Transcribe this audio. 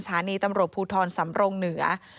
สถานีตำรวจภูทรสำรงเหนือ